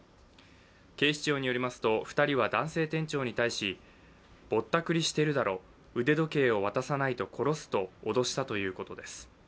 警視庁によりますと２人は男性店長に対しぼったくりしてるだろ腕時計を渡さないと殺すと脅したということです。